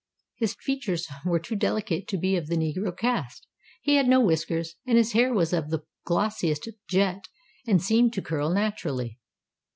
His features were too delicate to be of the negro cast: he had no whiskers, and his hair was of the glossiest jet and seemed to curl naturally.